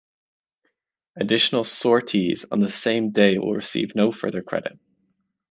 Additional sorties on the same day will receive no further credit.